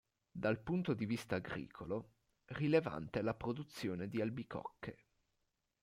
Dal punto di vista agricolo, rilevante è la produzione di albicocche.